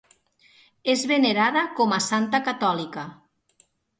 És venerada com a santa catòlica.